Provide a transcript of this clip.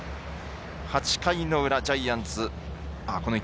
８回の裏ジャイアンツ。